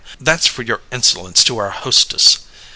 That's for your insolence to our hostess!"